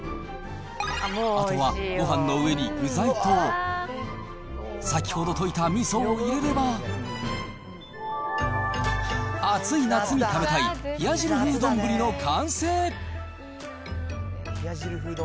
あとはごはんの上に具材と、先ほど溶いたみそを入れれば、暑い夏に食べたい冷や汁風丼の完成。